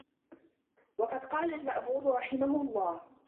وَقَدْ قَالَ الْمَأْمُونُ رَحِمَهُ اللَّهُ